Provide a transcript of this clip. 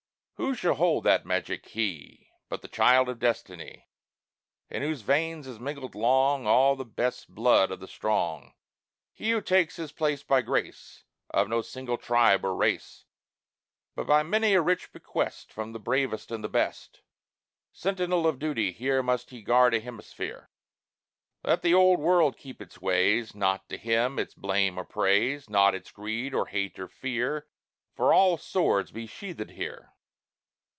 Who shall hold that magic key But the child of destiny, In whose veins has mingled long All the best blood of the strong? He who takes his place by grace Of no single tribe or race, But by many a rich bequest From the bravest and the best. Sentinel of duty, here Must he guard a hemisphere. Let the old world keep its ways; Naught to him its blame or praise; Naught its greed, or hate, or fear; For all swords be sheathèd here.